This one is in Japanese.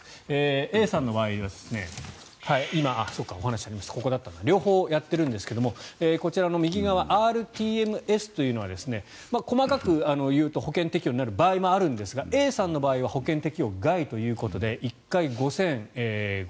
Ａさんの場合は今、お話ありました両方やってるんですがこちらの右側ｒＴＭＳというのは細かく言うと保険適用になる場合もあるんですがＡさんの場合は保険適用外ということで１回５５００円。